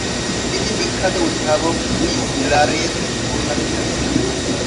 তিনি বিখ্যাত উদ্ভাবক লুইস মিলারের কন্যা ছিলেন।